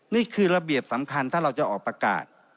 นี่คือระเบียบสำคัญถ้าเราจะออกประกาศ